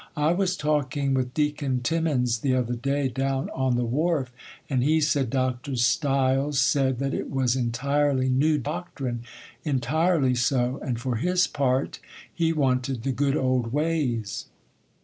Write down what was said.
I was talking with Deacon Timmins the other day down on the wharf, and he said Dr. Stiles said that it was entirely new doctrine—entirely so,—and for his part he wanted the good old ways.